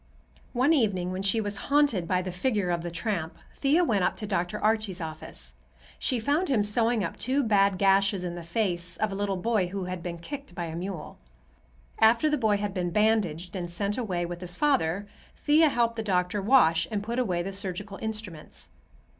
One evening when she was haunted by the figure of the tramp, Thea went up to Dr. Archie's office. She found him sewing up two bad gashes in the face of a little boy who had been kicked by a mule. After the boy had been bandaged and sent away with his father, Thea helped the doctor wash and put away the surgical instruments.